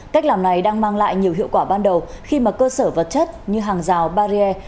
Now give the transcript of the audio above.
cách làm này đang mang lại nhiều hiệu quả ban đầu khi mà cơ sở vật chất như hàng rào barrier